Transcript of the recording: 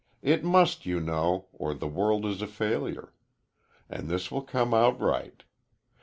It must, you know, or the world is a failure. And this will come out right.